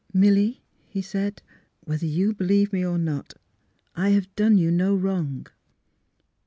'' Milly, '' he said, '' whether you believe me, or not, I have done you no wrong."